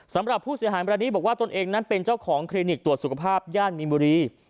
สำหรับผู้เสียหายวันนี้บอกว่าตนเองนั้นเป็นเจ้าของคลินิกตรวจสุขภาพย่านมีนบุรี